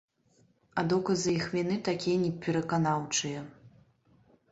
А доказы іх віны такія непераканаўчыя.